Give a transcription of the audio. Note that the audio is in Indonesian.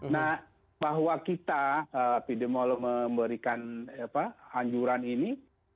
nah bahwa kita epidemiolog memberikan anjuran ini